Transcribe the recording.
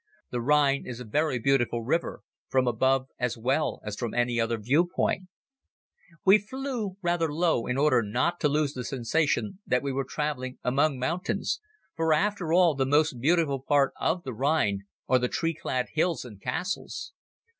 The Rhine is a very beautiful river, from above as well as from any other viewpoint. We flew rather low in order not to lose the sensation that we were traveling among mountains, for after all the most beautiful part of the Rhine are the tree clad hills and castles.